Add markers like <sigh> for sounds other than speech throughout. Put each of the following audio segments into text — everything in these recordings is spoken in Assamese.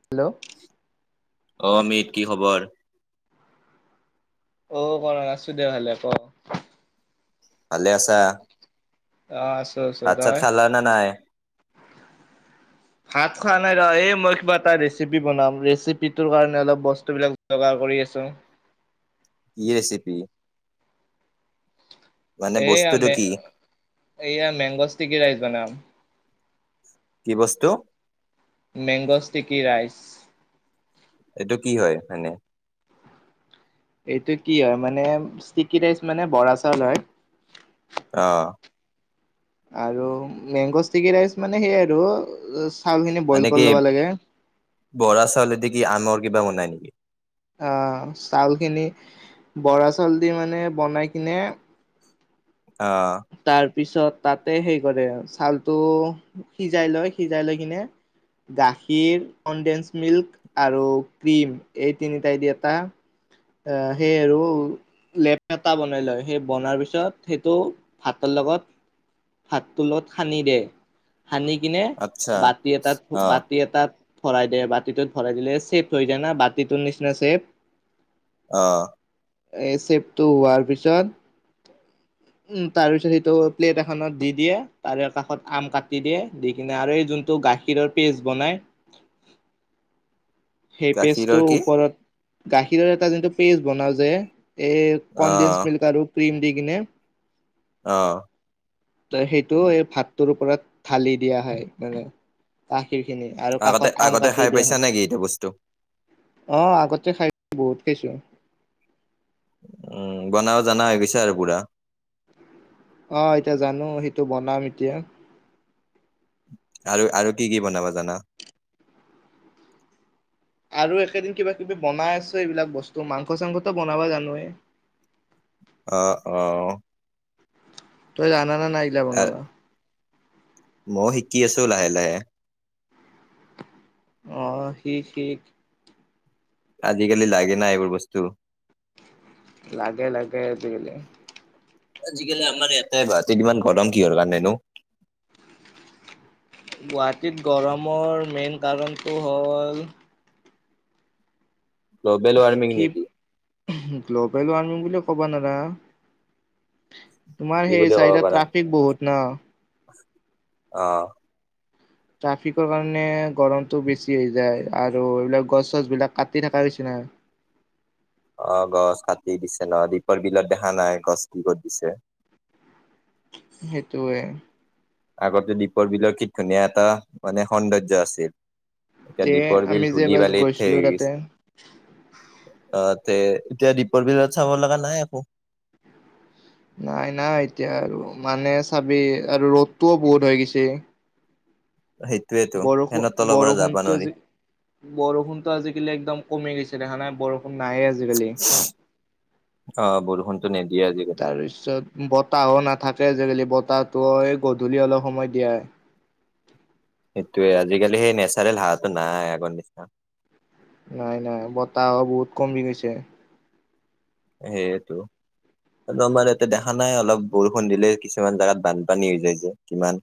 হেল্ল' অ', আমিত কি খবৰ? অ কৰা আছো দে ভালে। ক? ভালে আছা? অ', আছো, আছো ভাত চাত তই? খালা না নাই? ভাত খোৱা নাই ৰ। এই মই কিবা এটা ৰেচিপি বনাম ৰেচিপিটোৰ কাৰণে অলপ বস্তু বিলাক যোগাৰ কৰি আছো। কি ৰেচিপি? মানে এইয়া বস্তুটো মে কি? এইয়া মেংগ ষ্টিকী ৰাইছ বনাম। কি বস্তু? Mango sticky rice. এইটো কি হয় মানে? এইটো কি হয় মানে ষ্টিকি ৰাইচ মানে বৰা চাউল হয়। অহ। আৰু মেংগ' ষ্টিকি ৰাইচ মানে সেইয়ে আৰু চাউলখিনি বইল মানে কি কৰি ল'বা লাগে। বৰা চাউলেদি কি আনৰ কিবা বনাই নি? অহ, চাউলখিনি বৰা চাউল দি মানে বনাই কিনে অ। পিছত তাতে সেই কৰে চউালটো সিজাই লয় সিজাই লৈ কিনে গাখীৰ, কনদেঞ্চ মিল্ক আৰু ক্ৰীম এই তিনিটাই দি এটা এ সেই আৰু লেপ এটা বনাই লয় সেই বনোৱাৰ পিছত সেইটো ভাতৰ লগত ভাতটো লগত সানি দে। সানি কিনে আচ্ছা বাতি এটাত অ বাতি এটাত ভৰাই দিয়ে, বাতিটোত ভৰাই দিলে, চেফ থৈ যায় না বাতিটোৰ নিচিনা চেফ। অ। এ চেপটো হোৱাৰ পিছত <unintelligible> উম তাৰ পিছত সেইটো প্লেট এখনত দি দিয়ে তাৰে কাষত আম কাটি দিয়ে দি কিনে আৰু এই যোনটো গাখীৰৰ পেষ্ট বনাই <inaudible> সেই গাখীৰৰ পেজটোৰ কি? ওপৰত গাখীৰৰ এটা যোনটো পেজ বনাওঁ যে। এই অ কনডিন্স মিল্ক আৰু ক্ৰিম দি কিনে। অ ত সেইটো এই ভাতটোৰ ওপৰত ঢালি দিয়া হয়, মানে গাখীৰ খিনি আৰু আগতে কাষত আম আগতে খাই কাটি দিয়া পাইছা হয়। নেকি এইটো বস্তু? অহ আগতে খাইছো বহুত খাইছো আমি। উম, বনাব জানা হৈ গৈছা আৰু পোৰা। অ'হ, এতিয়া জানো সেইটো বনাম এতিয়া। আৰু আৰু কি কি বনাব জানা? আৰু এইকেদিন কিবা-কিবি বনাই আছো এইবিলাক বস্তু মাংস-চাংসটো বনাবা জানোয়েই। অ অ তই জনা নাই ইগিলা বনাবা? মই শিকি আছো, লাহে, লাহে। অ সি সি আজিকালি লাগে না এইবোৰ বস্তু। লাগে লাগে দেইলে। আজিকালি আমাৰ ইয়াতে ভতি ইমান গৰম কিহৰ কাৰণেনো? গুৱাহাটীত গৰমৰ মেইন কাৰণটো হ'ল গ্ল'বেল ৱাৰ্মিং কি নেকি? গ্ল'বেল ৱাৰ্মিং বুলিয় ক'বা নোৱাৰা তোমাৰ কি বুলি সেই ক'ব চাইডত ট্ৰাফিক বহুত ন? আহ ৷ ট্ৰাফিকৰ কাৰণে গৰমতটো বেছি হৈ যায় আৰু এইবিলাক গছ চছ বিলাক কাটি থকা হৈছে না ৷ <inaudible> অ' গছ কাটি দিছে ন দ্বীপৰ বিলত দেখা নাই গছ কি কত দিছে ৷ সেইটোৱে ৷ আগতে দ্বীপৰ বিলৰ কি ধুনীয়া এটা, মানে সৌন্দৰ্য আছিল ৷ এতিয়া তে দীপৰ বিল আমি যে ধলি এবাৰ বালিত থে গৈছিলো গছে তাতে ৷ অ' তে এতিয়া দীপৰ বিলত চাব লগা নাই একো ৷ নাই, নাই এতিয়া আৰু মানে চাবি আৰু ৰ'দটোও বহুত হৈ গৈছে ৷ সেইটোয়েতো বৰষুণ, ফেনৰ তলৰ পৰা যাবা বৰষুণটো নোৱাৰি আজি বৰষুণটো আজিকালি একদম কমে গৈছে ৷ ছে দেখা নাই বৰষুণ নাইয়ে আজিকালি ৷ অ বৰষুণতো নিদিয়ে আজিকালি তাৰপিছত বতাহো নাত থাকে আজিকালি বতাহটো গধূলি অলপ সময় দিয়াই ৷ সেইটোৱে আজিকালি সেই নেচাৰেল হাৱাটো নাই আগৰ নিচিনা। নাই, নাই বতাহো বহুত কমি গৈছে ৷ সেইটো। হলৌ আমাৰ ইয়াতে দেখা নাই, অলপ বৰষুণ দিলেই কিছুমান জোগাত বানপানী হৈ যায় যে কিমান?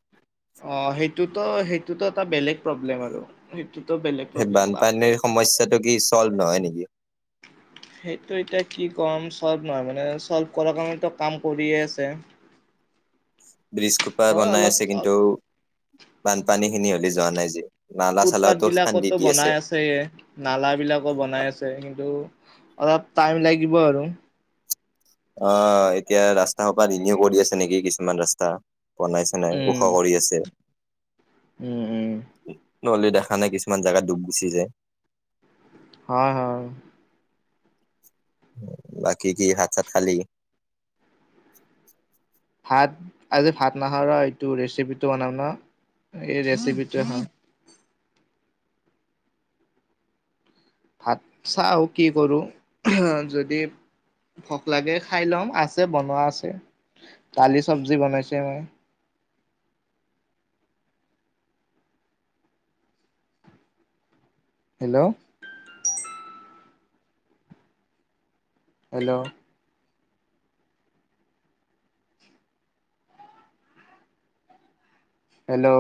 অ সেইটোতো, সেইটোতো এটা বেলেগ প্ৰব্লেম আৰু। বেলেগ সেই প্ৰব্লেম বাপৰে। বানপানীৰ সমস্যাটো কি চল্ভ নহয় নেকি? সেইটো এতিয়া কি কম, চল্ভ নহয় মানে চল্ভ কৰা কাৰণেটো কাম কৰিয়ে আছে ৷ <inaudible> বিজ কোপা বনাই অলপ আছে কিন্তু বানপানী খিনি হ'লে যোৱা নাই যে? নালা চালাওতো ফুটপাথবিলাক খান্দি ত দি বনাই আছে, নালা বিলাকো বনাই আছে কিন্ত অলপ টাইম লাগিব আৰু ৷ অ' এতিয়া ৰাস্তা সোপাত ৰিনিউ কৰি আছে নেকি? কিছুমান ৰাস্তা ৷ বনাইছে নাই ওখ উম কৰি আছে ৷ উম, উম ৷ নহ'লে দেখা নাই, কিছুমান জেগাত ডুব গুচি যায়। হয়, হয় ৷ বাকী কি হাত চাত খালি? ভাত, আজি ভাত নাখাওঁ ৰ, এইটো ৰেচিপিটো বনাম ন' এই ৰেচিপি টোৱে হয় ভাত চাওঁ কি কৰোঁ যদি ভক লাগে খাই লম, আছে বনোৱা আছে ৷ তালি চব্জি বনাইছে মাই হেল্ল'! হেল্ল'! হেল্ল'!